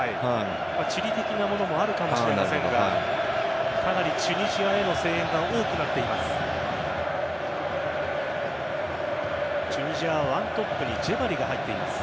地理的なものもあるかもしれませんがかなりチュニジアへの声援が多くなっています。